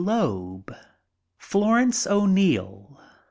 Loeb, Florence O'Neill, M.